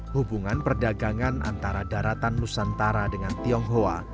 hubungan perdagangan antara daratan nusantara dengan tionghoa